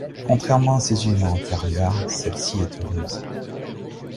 Contrairement à ses unions antérieures, celle-ci est heureuse.